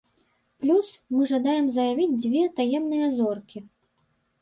Плюс, мы жадаем заявіць дзве таемныя зоркі.